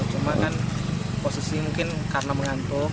cuma kan posisi mungkin karena mengantuk